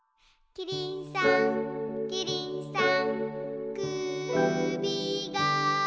「キリンさんキリンさん」